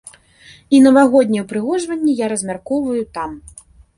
І навагоднія ўпрыгожванні я размяркоўваю там.